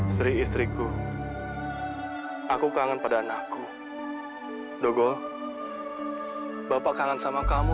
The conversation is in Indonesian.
istri istriku aku kangen pada anakku dogo bapak kangen sama kamu